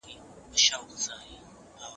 اقتصادي وده په ساکن حالت کي نه سي راتللای.